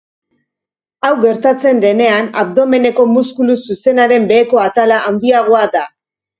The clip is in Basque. Hau gertatzen denean, abdomeneko muskulu zuzenaren beheko atala handiagoa da.